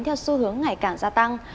theo xu hướng ngày càng gia tăng